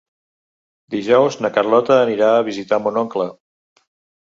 Dijous na Carlota anirà a visitar mon oncle.